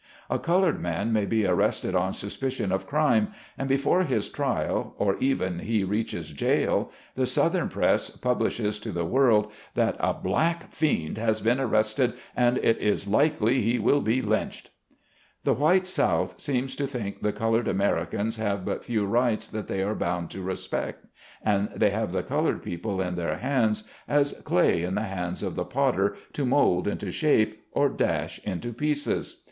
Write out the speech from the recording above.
A colored man may be arrested on suspicion of crime, and before his trial or even he reaches jail, the southern press publishes to the world, that "a black fiend has been arrested, and it is likely he will be lynched." The white South seems to think the colored Amer icans have but few rights that they are bound to respect, and they have the colored people in their 134 SLAVE CABIN TO PULPIT. hands, as clay in the hands of the potter, to mould into shape, or dash into pieces.